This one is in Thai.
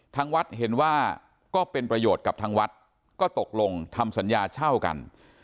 ทางวัดเห็นว่าก็เป็นประโยชน์กับทางวัดก็ตกลงทำสัญญาเช่ากัน